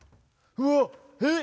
うわっえっ？